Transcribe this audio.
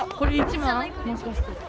もしかして。